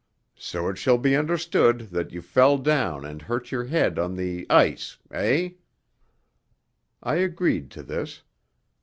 So it shall be understood that you fell down and hurt your head on the ice eh?" I agreed to this.